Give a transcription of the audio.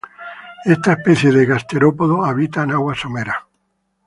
Esta especie de gasterópodo habita en aguas someras.